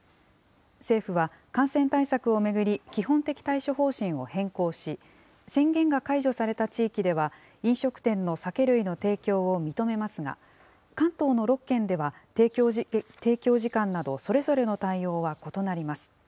政府は感染対策を巡り、基本的対処方針を変更し、宣言が解除された地域では、飲食店の酒類の提供を認めますが、関東の６県では提供時間など、それぞれの対応は異なります。